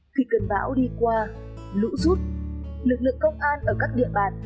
khi cơn bão đi qua lũ rút lực lượng công an ở các địa bàn